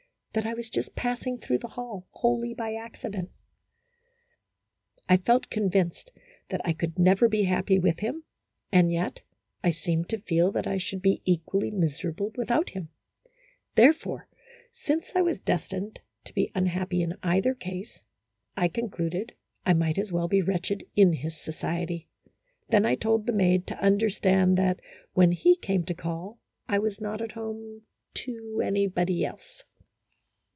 that I was just passing through the hall, wholly by accident. A HYPOCRITICAL ROMANCE. 21 I felt convinced that I could never be happy with him, and yet I seemed to feel that I should be equally miserable without him ; therefore, since I was destined to be unhappy in either case, I con cluded I might as well be wretched in his society. Then I told the maid to understand that, when he came to call, I was not at home "to anybody else."